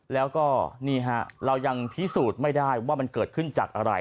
แล้วก็นี่ฮะเรายังพิสูจน์ไม่ได้ว่ามันเกิดขึ้นจากอะไร